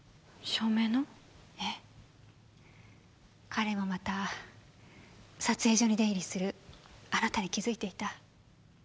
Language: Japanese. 彼もまた撮影所に出入りするあなたに気づいていた。